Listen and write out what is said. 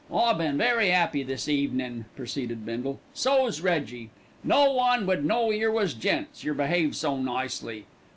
"I been very 'appy this evenin'," proceeded Bindle, "so's Reggie. No one would know yer was gents, yer behave so nicely."